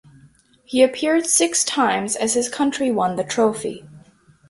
He appeared six times as his country won the trophy.